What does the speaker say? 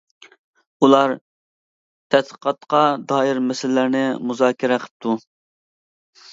ئۇلار تەتقىقاتقا دائىر مەسىلىلەرنى مۇزاكىرە قىپتۇ.